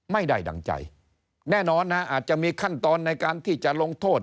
ไม่ได้ดั่งใจแน่นอนนะอาจจะมีขั้นตอนในการที่จะลงโทษ